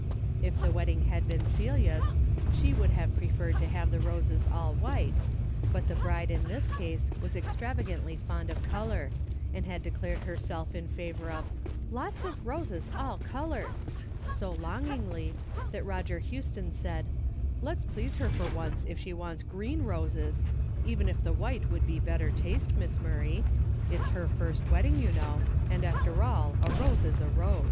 If the wedding had been Celia's, she Avould have pre ferred to have the roses all white, but the bride in this case was extravagantly fond of color, and had declared herself in favor of "lots of roses all colors" so longingly, that Roger Houston said " Let's please her for once if she wants green roses, even if the white Avould be better taste. Miss Murray. It's her first wedding, you know, and after all a rose is a rose."